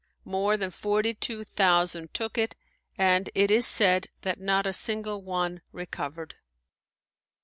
More than forty two thousand took it and it is said that not a single one recovered.